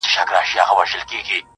شاعرانو پکښي ولوستل شعرونه-